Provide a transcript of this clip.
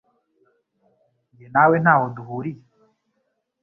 Njye nawe ntaho duhuriye